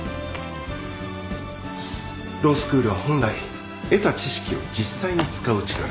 ロースクールは本来得た知識を実際に使う力。